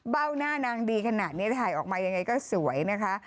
เบ้าหน้านางดีขนาดนี้ถ่ายออกมายังไงก็สวยนะคะ